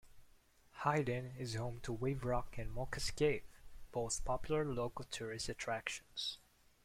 Hyden is home to Wave Rock and Mulka's Cave, both popular local tourist attractions.